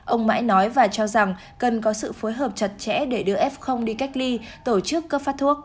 ông mãi nói và cho rằng cần có sự phối hợp chặt chẽ để đưa f đi cách ly tổ chức cấp phát thuốc